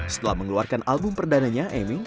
setelah mengeluarkan album perdananya aming